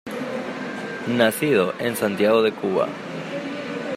Nacido en Santiago de Cuba.